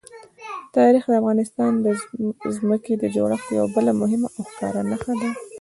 تاریخ د افغانستان د ځمکې د جوړښت یوه بله مهمه او ښکاره نښه ده.